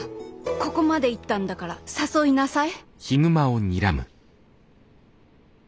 ここまで言ったんだから誘いなさい。